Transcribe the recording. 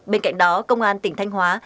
bên cạnh đó công an tỉnh thanh hóa